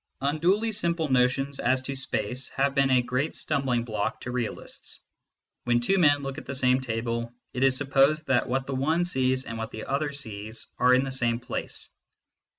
Unduly simple notions as to space have been a great stumbling block to realists. When two men look at the same table, it is supposed that what the one sees and what the other sees are in the same place.